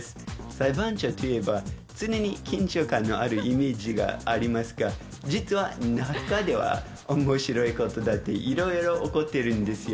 裁判所といえば常に緊張感のあるイメージがありますが実は中では面白いことだっていろいろ起こっているんですよ。